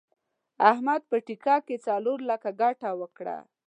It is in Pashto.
احمد په ټېکه کې څلور لکه ګټه وکړه.